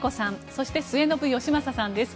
そして、末延吉正さんです。